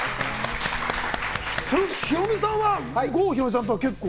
ヒロミさんは郷ひろみさんとは結構。